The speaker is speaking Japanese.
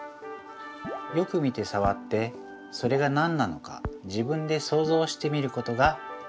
よく見てさわってそれが何なのか自分でそうぞうしてみることが大切なんです。